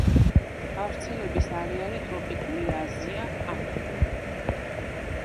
გავრცელების არეალი ტროპიკული აზია, აფრიკა.